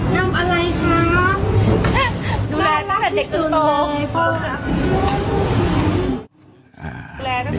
น้ำอะไรคะดูแลตั้งแต่เด็กสุดโบค